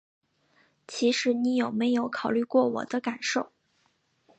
其实你有没有考虑过我的感受？